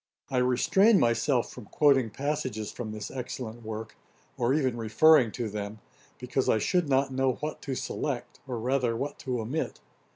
] I restrain myself from quoting passages from this excellent work, or even referring to them, because I should not know what to select, or rather, what to omit.